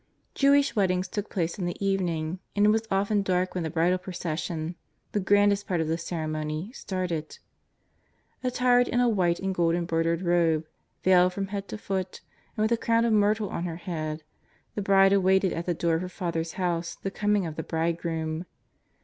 Jewish weddings took place in the evening, and it was often dark when the bridal procession, the grandest part of the ceremony, started. Attired in a white and gold embroidered robe, veiled from head to foot, and with a crown of myrtle on her head, the bride awaited at the door of her father's house the coming of the bridegroom.